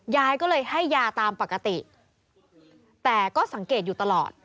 ยายก็เลยให้ยาตามปกติแต่ก็สังเกตอยู่ตลอด